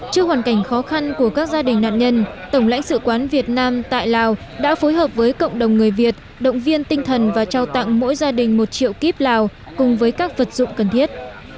trước hoàn cảnh khó khăn của các gia đình nạn nhân tổng lãnh sự quán việt nam tại lào đã phối hợp với cộng đồng người việt động viên tinh thần và trao tặng mỗi gia đình một triệu kíp lào cùng với các vật dụng cần thiết